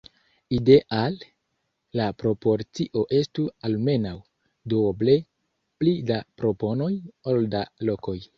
Ideale la proporcio estu almenaŭ duoble pli da proponoj ol da lokoj.